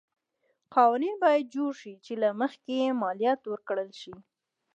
قوانین باید جوړ شي چې له مخې یې مالیات ورکړل شي.